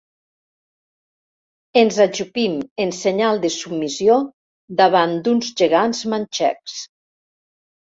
Ens ajupim en senyal de submissió davant d'uns gegants manxecs.